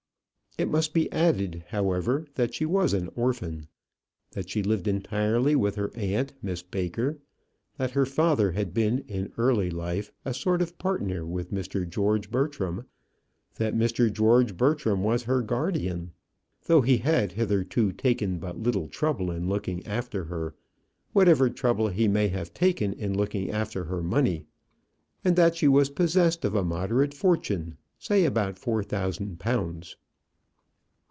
It must be added, however, that she was an orphan; that she lived entirely with her aunt, Miss Baker; that her father had been in early life a sort of partner with Mr. George Bertram; that Mr. George Bertram was her guardian, though he had hitherto taken but little trouble in looking after her, whatever trouble he may have taken in looking after her money; and that she was possessed of a moderate fortune, say about four thousand pounds.